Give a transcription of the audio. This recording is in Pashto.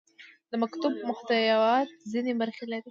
د مکتوب محتویات ځینې برخې لري.